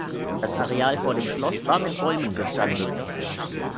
Das Areal vor dem Schloss war mit Bäumen bestanden.